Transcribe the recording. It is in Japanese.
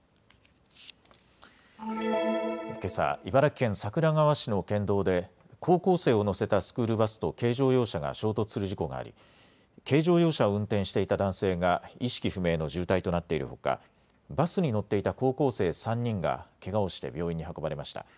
けさ、茨城県桜川市の県道で高校生を乗せたスクールバスと軽乗用車が衝突する事故があり軽乗用車を運転していた男性が意識不明の重体となっているほかバスに乗っていた高校生３人がけがをして病院に運ばれました。